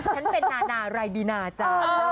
ฉันเป็นนานารายบีนาจ้า